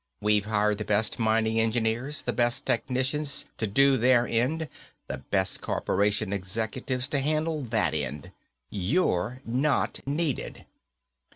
We've hired the best mining engineers, the best technicians, to do their end, the best corporation executives to handle that end. You're not needed."